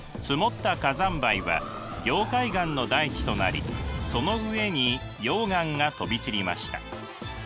積もった火山灰は凝灰岩の大地となりその上に溶岩が飛び散りました。